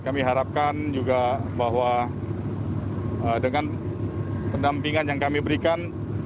kami harapkan juga bahwa dengan pendampingan yang kami berikan